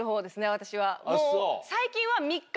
私は。